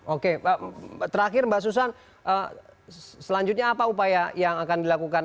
oke terakhir mbak susan selanjutnya apa upaya yang akan dilakukan